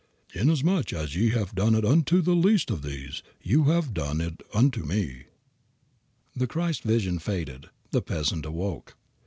Inasmuch as ye have done it unto the least of these, you have done it unto me." The Christ vision faded. The peasant awoke.